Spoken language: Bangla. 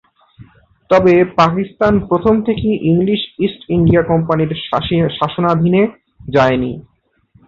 তবে পাকিস্তান প্রথম থেকেই ইংলিশ ইস্ট ইন্ডিয়া কোম্পানির শাসনাধীনে যায়নি।